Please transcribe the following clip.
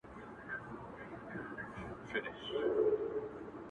• نوی ژوند نوی امید ورته پیدا سو -